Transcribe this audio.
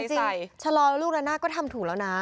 แต่จริงชะลอยลูกด้านหน้าก็ทำถูกแล้วนะ